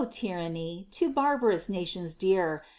Ο tyranny, to barbarous nations dear